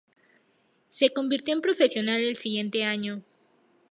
Se convirtió en profesional el siguiente año.